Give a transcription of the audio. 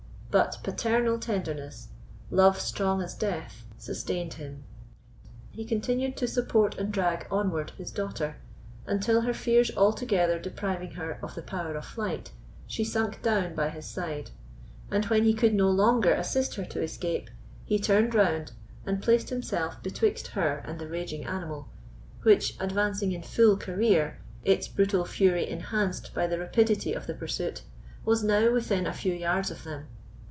But paternal tenderness, "love strong as death," sustained him. He continued to support and drag onward his daughter, until her fears altogether depriving her of the power of flight, she sunk down by his side; and when he could no longer assist her to escape, he turned round and placed himself betwixt her and the raging animal, which, advancing in full career, its brutal fury enhanced by the rapidity of the pursuit, was now within a few yards of them.